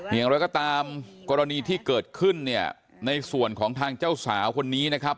อย่างไรก็ตามกรณีที่เกิดขึ้นเนี่ยในส่วนของทางเจ้าสาวคนนี้นะครับ